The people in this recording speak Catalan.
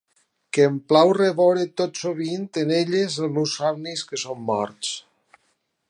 Que em plau reveure tot sovint en elles els meus somnis que són morts.